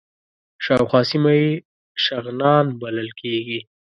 شاوخوا سیمه یې شغنان بلل کېږي.